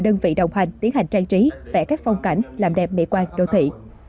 đơn vị đồng hành tiến hành trang trí vẽ các phong cảnh làm đẹp mỹ quan đô thị